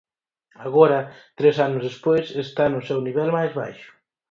Agora, tres anos despois, está no seu nivel máis baixo.